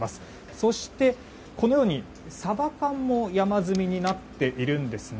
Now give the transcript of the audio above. そして、サバ缶も山積みになっているんですね。